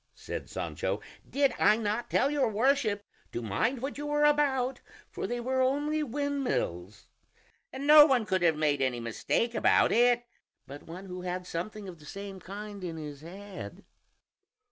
said Sancho, "did I not tell your Worship to mind what you were about, for they were only windmills? and no one could have made any mistake about it but one who had something of the same kind in his head."